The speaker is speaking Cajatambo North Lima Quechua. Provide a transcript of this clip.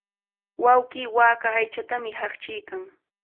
Wawqii waaka aychatami haqchiykan.